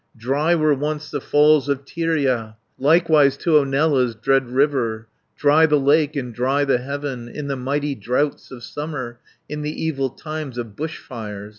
Dry were once the Falls of Tyrja, Likewise Tuonela's dread river, Dry the lake and dry the heaven, 380 In the mighty droughts of summer, In the evil times of bush fires.